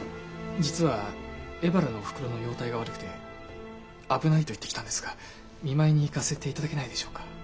実はおふくろの容体が悪くて危ないと言ってきたんですが見舞いに行かせて頂けないでしょうか？